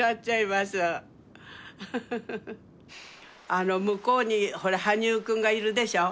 あの向こうにほら羽生君がいるでしょ。